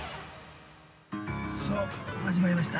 ◆始まりました